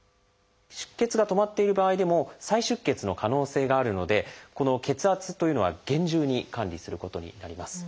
出血が止まっている場合でも再出血の可能性があるのでこの血圧というのは厳重に管理することになります。